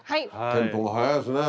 テンポが速いですね。